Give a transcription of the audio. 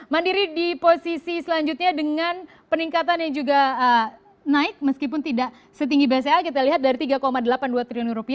mandiri di posisi selanjutnya dengan peningkatan yang juga naik meskipun tidak setinggi bca kita lihat dari tiga delapan puluh dua triliun rupiah naik menjadi empat delapan triliun rupiah